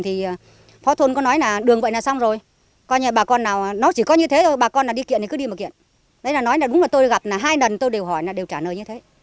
thì phó thôn có nói là đường vậy là xong rồi